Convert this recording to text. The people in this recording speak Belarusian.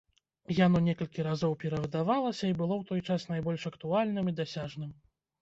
Яно некалькі разоў перавыдавалася і было ў той час найбольш актуальным і дасяжным.